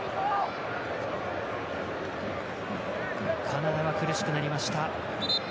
カナダは苦しくなりました。